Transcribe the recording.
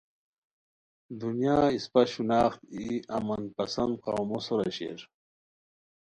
دنیا اسپہ شناخت ای امن پسند قومو سورا شیر